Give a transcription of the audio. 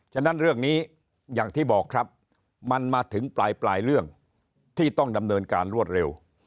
ฉะนั้นเรื่องนี้อย่างที่บอกครับมันมาถึงปลายเรื่องที่ต้องดำเนินการรวดเร็ว